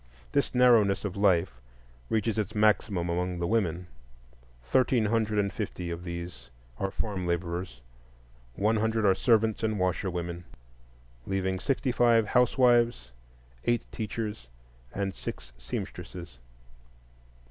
This narrowness of life reaches its maximum among the women: thirteen hundred and fifty of these are farm laborers, one hundred are servants and washerwomen, leaving sixty five housewives, eight teachers, and six seamstresses.